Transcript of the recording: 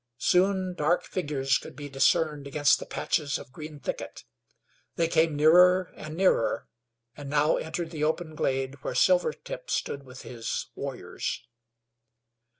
Soon dark figures could be discerned against the patches of green thicket; they came nearer and nearer, and now entered the open glade where Silvertip stood with his warriors.